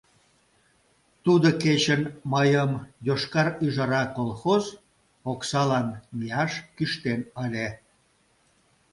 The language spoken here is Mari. Тудо кечын мыйым «Йошкар ӱжара» колхоз оксалан мияш кӱштен ыле.